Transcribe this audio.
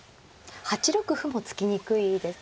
８六歩も突きにくいですか？